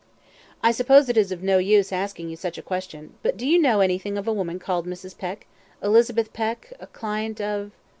"I suppose it is of no use asking you such a question but do you know anything of a woman called Mrs. Peck Elizabeth Peck, a client of